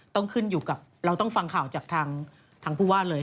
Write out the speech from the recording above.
ต้องขึ้นอยู่กับเราต้องฟังข่าวจากทางผู้ว่าเลย